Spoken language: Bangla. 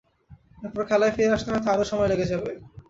এরপর খেলায় ফিরে আসতে হয়তো আরও সময় লেগে যাবে।